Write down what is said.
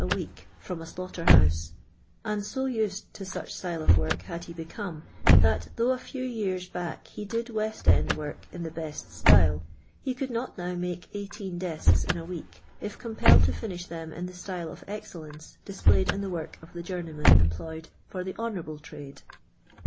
a week from a slaughter house; and so used to such style of work had he become, that, tliongh a few years back he did West end work in the best style, he could not now make eighteen desks in a week, if compelled to finish them in the style of excellence displayed in the work of the journeyman employed for the honourable trade.